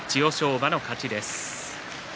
馬の勝ちです。